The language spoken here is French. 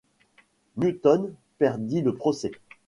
Newton perdit le procès.